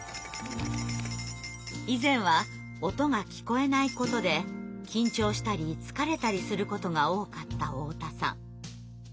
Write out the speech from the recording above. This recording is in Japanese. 以前は音が聞こえないことで緊張したり疲れたりすることが多かった太田さん。